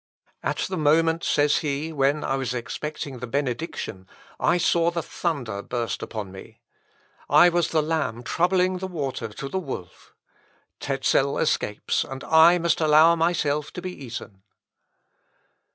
"At the moment," says he, "when I was expecting the benediction, I saw the thunder burst upon me. I was the lamb troubling the water to the wolf. Tezel escapes, and I must allow myself to be eaten."